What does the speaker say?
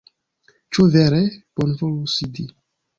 Ĉu vere? Bonvolu sidi